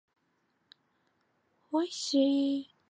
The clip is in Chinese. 次年卒。